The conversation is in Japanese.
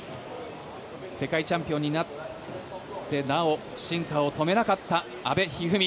世界チャンピオンになってなお進化を止めなかった阿部一二三。